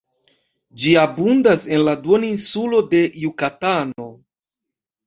Ĝi abundas en la duoninsulo de Jukatano.